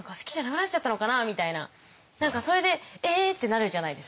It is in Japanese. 何かそれで「ええ？」ってなるじゃないですか。